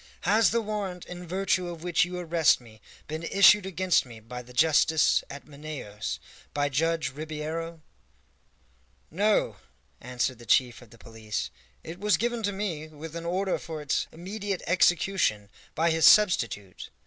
"Has the warrant in virtue of which you arrest me been issued against me by the justice at Manaos by Judge Ribeiro?" "No," answered the chief of the police, "it was given to me, with an order for its immediate execution, by his substitute.